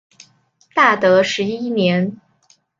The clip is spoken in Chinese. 大德十一年。